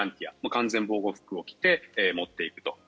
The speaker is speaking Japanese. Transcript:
完全防護服を着て持っていくと。